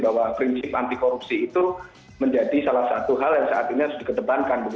bahwa prinsip anti korupsi itu menjadi salah satu hal yang saat ini harus dikedepankan